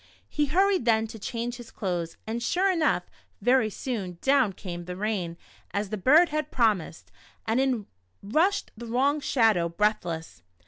He hurried then to change his clothes, and sure enough, very soon, down came the rain as the bird had promised, and in rushed the wrong Shadow, breathless.